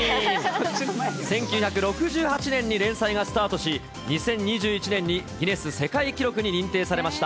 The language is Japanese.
１９６８年に連載がスタートし、２０２１年にギネス世界記録に認定されました。